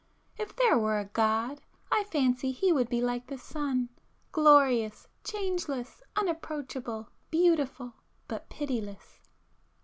If there were a God I fancy He would be like the sun,—glorious, changeless, unapproachable, beautiful, but pitiless!